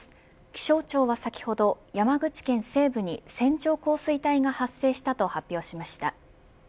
気象庁は先ほど、山口県西部に線状降水帯が発生したと発表しました。